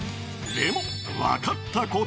でも、分かったこと。